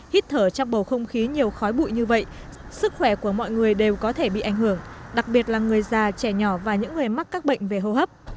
hít thở trong bầu không khí nhiều khói bụi như vậy sức khỏe của mọi người đều có thể bị ảnh hưởng đặc biệt là người già trẻ nhỏ và những người mắc các bệnh về hô hấp